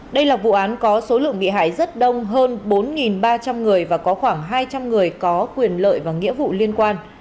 đây là vụ án có số lượng bị hại rất đông hơn bốn ba trăm linh người và có khoảng hai trăm linh người có quyền lợi và nghĩa vụ liên quan